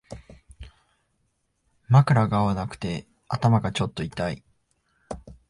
枕が合わなくて頭がちょっと痛い